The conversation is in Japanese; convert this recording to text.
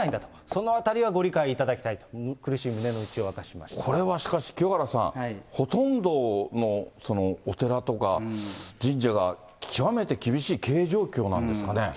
そのあたりはご理解いただきたいと、これはしかし、清原さん、ほとんどのお寺とか神社が、極めて厳しい経営状況なんですかね。